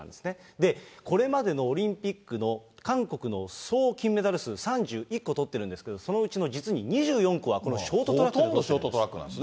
で、これまでのオリンピックの、韓国の総金メダル数３１個とってるんですけど、そのうちの実に２４個は、このショートトラックなんです。